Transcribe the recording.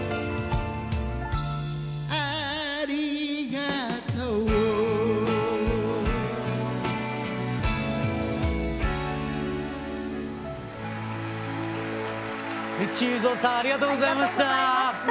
グッチ裕三さんありがとうございました！